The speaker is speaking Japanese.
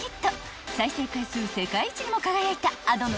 ［再生回数世界一にも輝いたＡｄｏの］